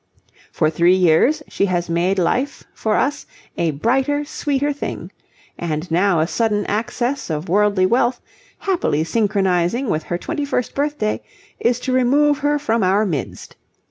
For three years she has made life for us a brighter, sweeter thing. And now a sudden access of worldly wealth, happily synchronizing with her twenty first birthday, is to remove her from our midst.